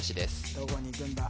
どこにいくんだ